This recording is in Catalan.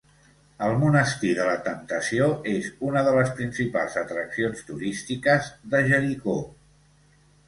El Monestir de la Temptació és una de les principals atraccions turístiques de Jericó.